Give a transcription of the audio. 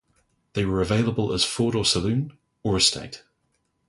They were available as four-door saloon or estate.